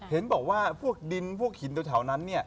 เห็นบอกว่าพวกดิ้นพวกหินต้วเทานั้น